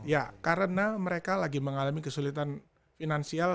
ya karena mereka lagi mengalami kesulitan finansial